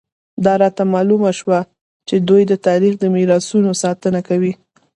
دا راته معلومه شوه چې دوی د تاریخي میراثونو ساتنه کوي.